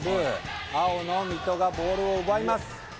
青の水戸がボールを奪います。